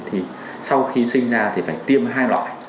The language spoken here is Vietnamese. thì sau khi sinh ra thì phải tiêm hai loại